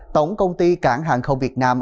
tổng công ty cảng hàng không việt nam